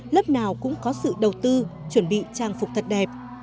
lớp nào cũng có sự đầu tư chuẩn bị trang phục thật đẹp